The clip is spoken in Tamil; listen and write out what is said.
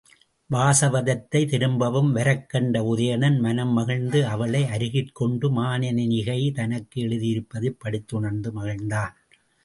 வாசவதத்தை திரும்பவும் வரக்கண்ட உதயணன் மனம்மகிழ்ந்து அவளை அருகிற்கொண்டு மானனீகை தனக்கு எழுதியிருப்பதைப் படித்துணர்ந்து மகிழ்ந்தான்.